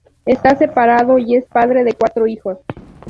Esta separado y es padre de cuatro hijos.